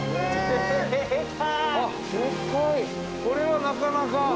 これはなかなか。